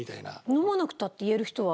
飲まなくたって言える人は。